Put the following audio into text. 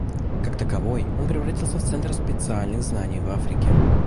Как таковой, он превратился в центр специальных знаний в Африке.